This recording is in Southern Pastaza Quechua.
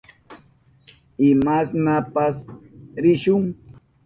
Imashnapas rishun.